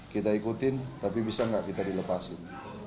kita ikutin tapi bisa nggak kita dilepasin